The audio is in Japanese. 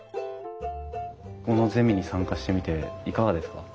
このゼミに参加してみていかがですか？